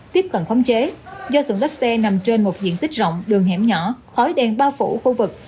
tiếp cận khống chế do xưởng lắp xe nằm trên một diện tích rộng đường hẻm nhỏ khói đen bao phủ khu vực